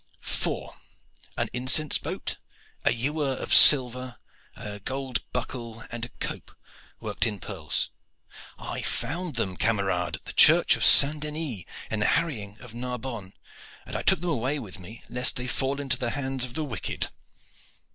Four an incense boat, a ewer of silver, a gold buckle and a cope worked in pearls. I found them, camarades, at the Church of St. Denis in the harrying of Narbonne, and I took them away with me lest they fall into the hands of the wicked.